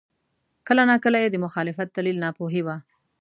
کله ناکله یې د مخالفت دلیل ناپوهي وه.